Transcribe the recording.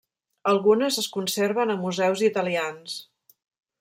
Algunes es conserven a museus italians.